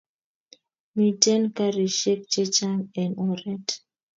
Miten karishek che chang en oret